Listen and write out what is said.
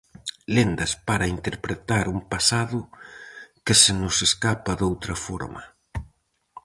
Lendas para interpretar un pasado que se nos escapa doutra forma.